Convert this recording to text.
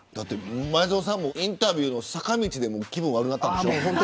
前園さんインタビューの坂道で気分が悪くなったんでしょ。